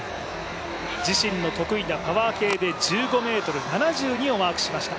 自身の得意なパワー系で１５ｍ７２をマークしました。